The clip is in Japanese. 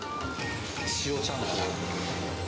塩ちゃんこ。